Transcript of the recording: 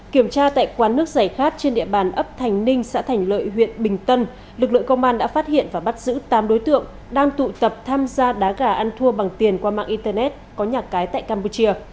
kiểm tra tại quán nước giải khát trên địa bàn ấp thành ninh xã thành lợi huyện bình tân lực lượng công an đã phát hiện và bắt giữ tám đối tượng đang tụ tập tham gia đá gà ăn thua bằng tiền qua mạng internet có nhà cái tại campuchia